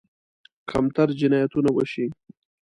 کمتر جنایتونه وشي.